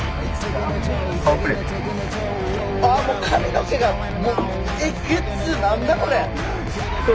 あもう髪の毛がもうえげつ何だこれ！